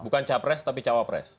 bukan capres tapi cawapres